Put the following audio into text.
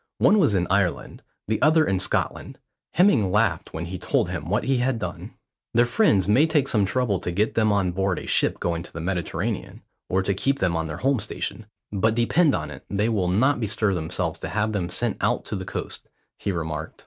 One was in Ireland, the other in Scotland. Hemming laughed when he told him what he had done. "Their friends may take some trouble to get them on board a ship going to the Mediterranean, or to keep them on the Home station; but depend on it they will not bestir themselves to have them sent out to the Coast," he remarked.